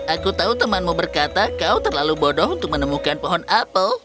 aku tahu temanmu berkata kau terlalu bodoh untuk menemukan pohon apel